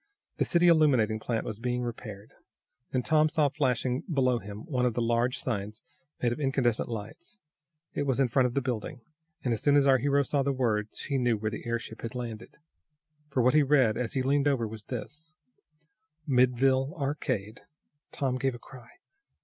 The city illuminating plant was being repaired. Then Tom saw flashing below him one of those large signs made of incandescent lights. It was in front of the building, and as soon as our hero saw the words he knew where the airship had landed. For what he read, as he leaned over, was this: MIDDLEVILLE ARCADE Tom gave a cry.